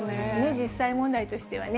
実際問題としてはね。